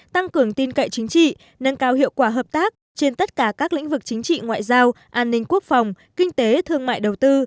tăng cường tin cậy chính trị nâng cao hiệu quả hợp tác trên tất cả các lĩnh vực chính trị ngoại giao an ninh quốc phòng kinh tế thương mại đầu tư